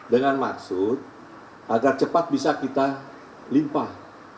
dengan maksud agar cepat bisa kita limpah